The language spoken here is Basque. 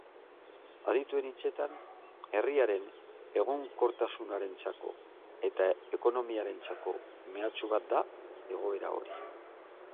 Adituen hitzetan, herriaren egonkortasunarentzako eta ekonomiarentzako mehatxu bat da egoera hori.